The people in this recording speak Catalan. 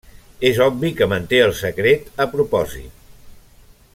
És obvi que manté el secret a propòsit.